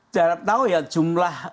caranya tahu ya jumlah